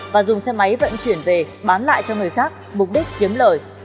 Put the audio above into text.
và dùng xe máy vận chuyển về bán lại cho người khác mục đích kiếm lời